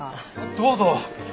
どうぞ！